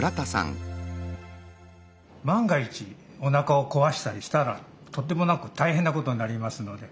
万が一おなかをこわしたりしたらとんでもなく大変なことになりますので。